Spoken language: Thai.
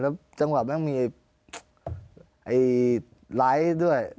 แล้วจังหวัดแม่งมีไอ้ไลท์ด้วย